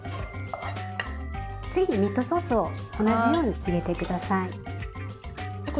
次にミートソースを同じように入れて下さい。